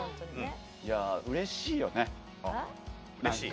うれしいよね、何か。